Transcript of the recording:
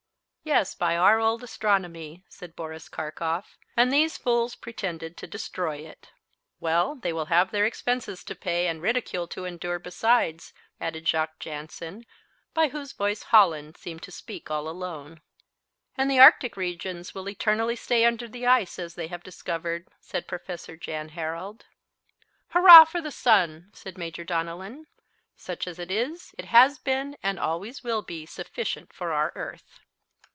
"Yes by our old astronomy," said Boris Karkof, "and these fools pretended to destroy it." "Well, they will have their expenses to pay and ridicule to endure besides," added Jacques Jansen, by whose voice Holland seemed to speak all alone. "And the Arctic regions will eternally stay under the ice as they have discovered," said Prof. Jan Harald. "Hurrah for the sun," said Major Donellan. "Such as it is, it has been and always will be sufficient for our earth."